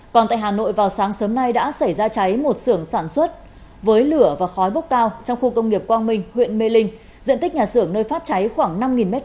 còn tại hà nội vào sáng sớm nay đã xảy ra cháy một sưởng sản xuất với lửa và khói bốc cao trong khu công nghiệp quang minh huyện mê linh diện tích nhà xưởng nơi phát cháy khoảng năm m hai